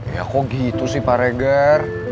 ya kok gitu sih pak reger